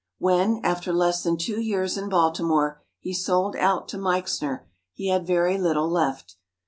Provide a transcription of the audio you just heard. When, after less than two years in Baltimore, he sold out to Meixner, he had very little left.